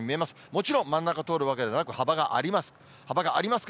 もちろん、真ん中通るわけではなく、幅があります。